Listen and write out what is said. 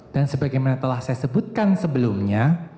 dan sebagaimana telah saya sebutkan sebelumnya